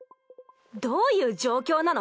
どういう状況なの？